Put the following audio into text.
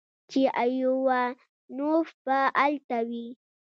چې ايوانوف به الته وي.